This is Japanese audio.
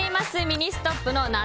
ミニストップの夏